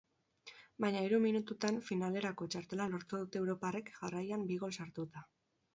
Baina hiru minututan finalerako txartela lortu dute europarrek jarraian bi gol sartuta.